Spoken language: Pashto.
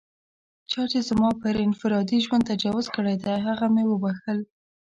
چا چې زما پر انفرادي ژوند تجاوز کړی دی، هغه مې و بښل.